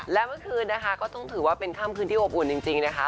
และเมื่อคืนนะคะก็ต้องถือว่าเป็นค่ำคืนที่อบอุ่นจริงนะคะ